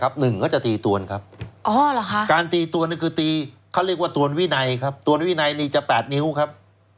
การตีตัวนนี่คือตีเขาเรียกว่าตัวนวินัยครับตัวนวินัยนี่จะ๘นิ้วครับ